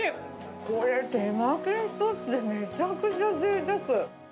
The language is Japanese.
これ、手巻き１つで、めちゃくちゃぜいたく。